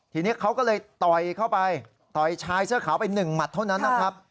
ทีนี้เขาก็เลยต่อยเข้าไปต่อยชายเสื้อขาวไปหนึ่งหมัดเท่านั้นนะครับ